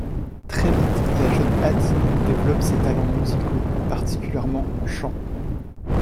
Très vite, la jeune Adine développe ses talents musicaux, particulièrement en chant.